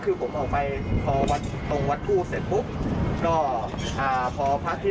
ก็คือผมออกไปตรงวัตถู้เสร็จปุ๊บพอเผาที่ศพนิทอะไรเสร็จเริ่มมืด